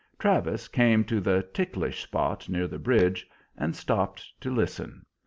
Travis came to the ticklish spot near the bridge, and stopped to listen.